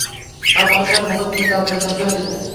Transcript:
সব অনুষ্ঠান মুহুর্তে নীরব নিস্তব্ধ হয়ে যায়।